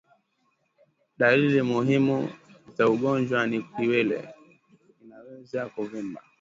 Dalili muhimu za ugonjwa ni kiwele kinaweza kuvimba